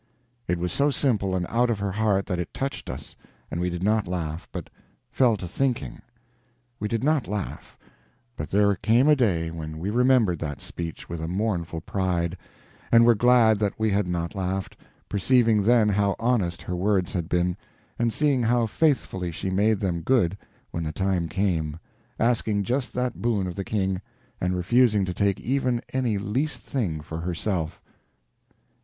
It was so simple and out of her heart that it touched us and we did not laugh, but fell to thinking. We did not laugh; but there came a day when we remembered that speech with a mournful pride, and were glad that we had not laughed, perceiving then how honest her words had been, and seeing how faithfully she made them good when the time came, asking just that boon of the King and refusing to take even any least thing for herself.